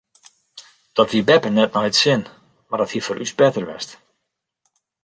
Dat wie beppe net nei it sin mar dat hie foar ús better west.